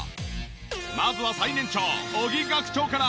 まずは最年長尾木学長から。